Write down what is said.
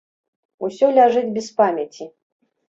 Усё ляжыць без памяці.